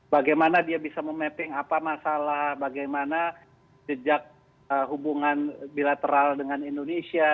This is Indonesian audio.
bagaimana dia bisa memapping apa masalah bagaimana jejak hubungan bilateral dengan indonesia